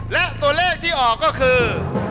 และตัวเลขที่ออกก็คือ